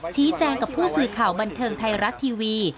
ชี้แจงกับผู้สื่อข่าวบันเทิงไทยรัฐทีวี